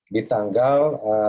di tanggal tiga belas